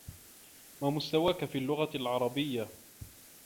ما مستواك في اللغة العربية؟